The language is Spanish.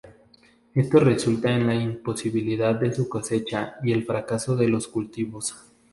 Esto resulta en la imposibilidad de su cosecha y el fracaso de los cultivos.